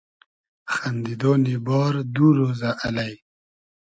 خئندیدۉنی بار دو رۉزۂ الݷ